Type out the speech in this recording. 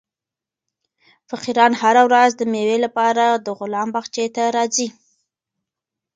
فقیران هره ورځ د مېوې لپاره د غلام باغچې ته راځي.